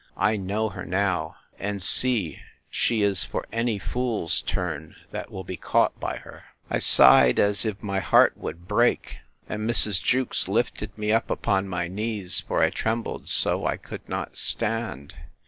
I know her now, and see she is for any fool's turn, that will be caught by her. I sighed, as if my heart would break!—And Mrs. Jewkes lifted me up upon my knees; for I trembled so, I could not stand.